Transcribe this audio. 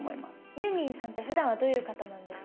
ユーミンさんってふだんはどういう方なんですか？